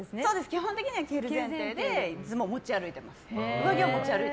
基本的には着る前提で上着はいつも持ち歩いています。